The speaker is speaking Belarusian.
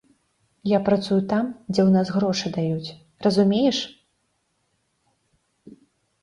Я працую там, дзе ў нас грошы даюць, разумееш?